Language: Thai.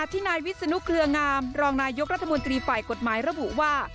ที่นายวิศนุเครืองามรองนายกรัฐมนตรีฝ่ายกฎหมายระบุว่า